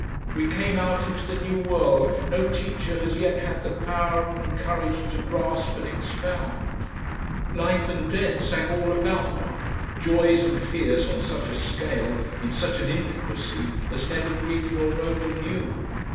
We came out into the new world no teacher has yet had the power and courage to grasp and expound. Life and death sang all about one, joys and fears on such a scale, in such an intricacy as never Greek nor Roman knew.